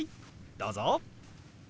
どうぞ。